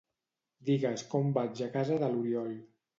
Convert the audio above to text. Digues com vaig a casa de l'Oriol.